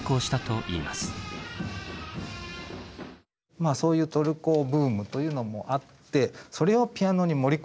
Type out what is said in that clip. まあそういうトルコブームというのもあってそれをピアノに盛り込んでしまおう。